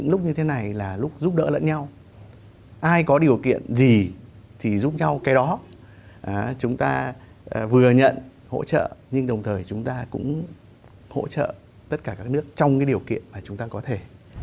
lúc như thế này là lúc giúp đỡ lẫn nhau ai có điều kiện gì thì giúp nhau cái đó chúng ta vừa nhận hỗ trợ nhưng đồng thời chúng ta cũng hỗ trợ tất cả các nước trong cái điều kiện mà chúng ta có thể